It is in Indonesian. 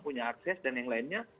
punya yang lainnya